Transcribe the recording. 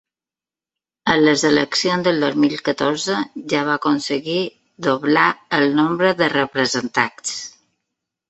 En les eleccions del dos mil catorze ja va aconseguir doblar el nombre de representats.